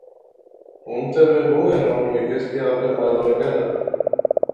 ہن تے میں بہوں حیران ہوئی گیس کہ آخر ماجرا کہہ دا؟